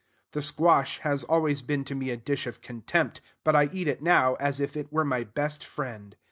The squash has always been to me a dish of contempt; but I eat it now as if it were my best friend.